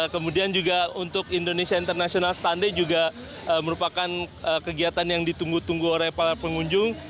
kemudian juga untuk indonesia international standay juga merupakan kegiatan yang ditunggu tunggu oleh para pengunjung